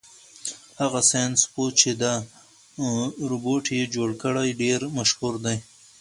هغه ساینس پوه چې دا روبوټ یې جوړ کړ ډېر مشهور دی.